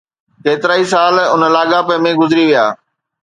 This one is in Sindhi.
ڪيترائي سال ان لاڳاپي ۾ گذري ويا.